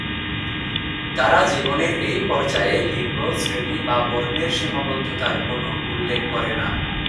তারা জীবনের এই পর্যায়ে লিঙ্গ, শ্রেণী বা বর্ণের সীমাবদ্ধতার কোন উল্লেখ করে না।